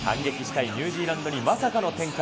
反撃したいニュージーランドにまさかの展開。